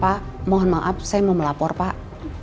pak mohon maaf saya mau melapor pak